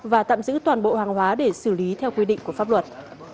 và tạm giữ toàn bộ hàng hóa để xử lý theo quy định của pháp luật